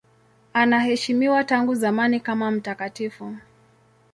Anaheshimiwa tangu zamani kama mtakatifu.